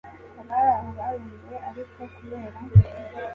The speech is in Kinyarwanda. Abari aho barumiwe ariko kubera